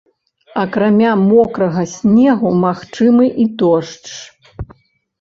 Акрамя мокрага снегу, магчымы і дождж.